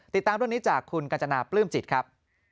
ติดตามเรื่องนี้จากคุณกัญจนาปลื้มจิตครับ